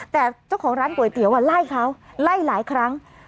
แต่เจ้าของร้านก๋วยเตี๋ยวไล่เขาไล่หลายครั้ง